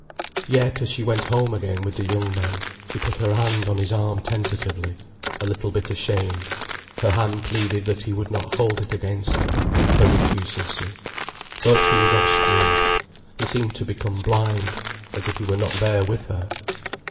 Yet, as she went home again with the young man, she put her hand on his arm tentatively, a little bit ashamed, her hand pleaded that he would not hold it against her, her recusancy. But he was obscured. He seemed to become blind, as if he were not there with her.